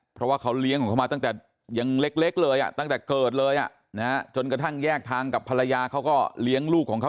เพราะว่าเขาเลี้ยงคุณมาตั้งแต่ยังเล็กเลย